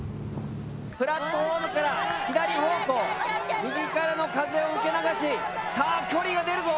プラットホームから左方向右からの風を受け流しさあ距離が出るぞ。